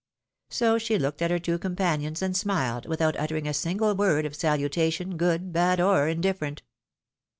So she looked at her two companions and smiled, without uttering a single word of salutation, good, bad, or indifferent.